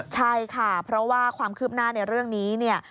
ใช่ค่ะเพราะว่าความคืบหน้าในเรื่องนี้เนี่ย